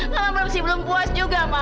mama masih belum puas juga ma